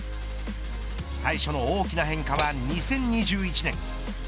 最初の大きな変化は２０２１年。